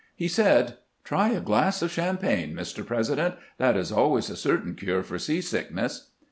He said :" Try a glass of champagne, Mr. President. That is always a certain cure for seasickness."